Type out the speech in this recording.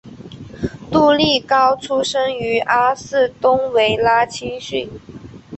杜利高出身于阿士东维拉青训。